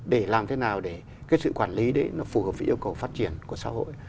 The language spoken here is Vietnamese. để làm thế nào để cái sự quản lý đấy nó phù hợp với yêu cầu phát triển của xã hội